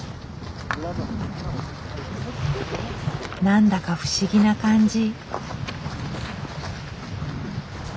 何だか不思議な感じ。